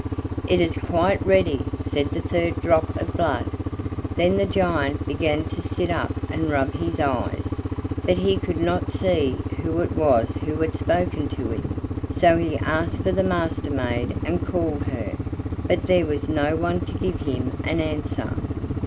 "It is quite ready," said the third drop of blood. Then the giant began to sit up and rub his eyes, but he could not see who it was who had spoken to him, so he asked for the Master maid, and called her. But there was no one to give him an answer.